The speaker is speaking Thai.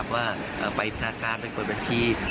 ว่าไปพนักการณ์เปิดบัญชี